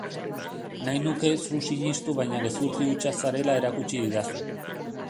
Nahi nuke zu sinistu baina gezurti hutsa zarela erakutsi didazu.